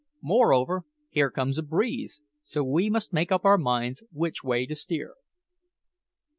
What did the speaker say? Moreover, here comes a breeze, so we must make up our minds which way to steer."